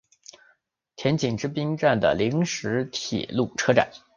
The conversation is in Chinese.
田井之滨站的临时铁路车站。